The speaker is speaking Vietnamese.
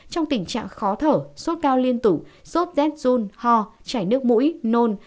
trong tình trạng khó thở sốt cao liên tụ sốt z zun ho trải nước mũi nôn